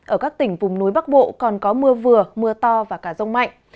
ở các tỉnh vùng núi bắc bộ còn có mưa vừa mưa to và cả rông mạnh